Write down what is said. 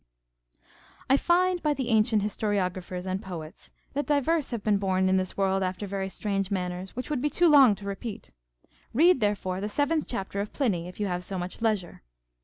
I find by the ancient historiographers and poets that divers have been born in this world after very strange manners, which would be too long to repeat; read therefore the seventh chapter of Pliny, if you have so much leisure.